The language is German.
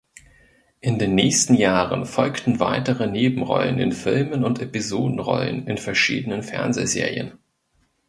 In den nächsten Jahren folgten weitere Nebenrollen in Filmen und Episodenrollen in verschiedenen Fernsehserien.